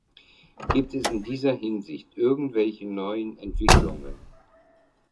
Gibt es in dieser Hinsicht irgendwelche neuen Entwicklungen?